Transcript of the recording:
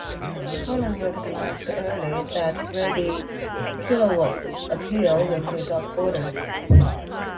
Collins recognized early that Reddy Kilowatt's appeal was without borders.